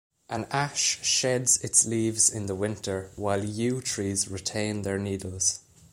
An ash sheds its leaves in the winter, while yew trees retain their needles.